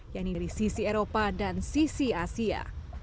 yaitu dari sisi eropa dan sisi asia